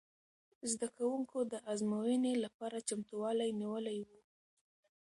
زده کوونکو د ازموینې لپاره چمتووالی نیولی و.